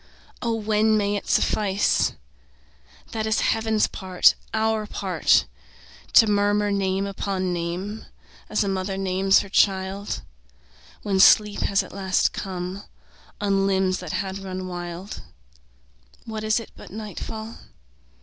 O when may it suffice? That is heaven's part, our part To murmur name upon name, As a mother names her child When sleep at last has come On limbs that had run wild. What is it but nightfall?